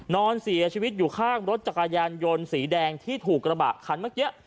นอนเสียชีวิตอยู่ข้างรถจักรยานยนต์สีแดงที่ถูกกระบะคันเมื่อกี้